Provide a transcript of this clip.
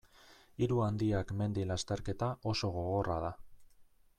Hiru handiak mendi-lasterketa oso gogorra da.